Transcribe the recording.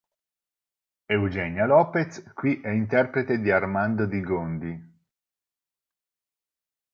Eugenia Lopez qui è interprete di Armando di Gondi.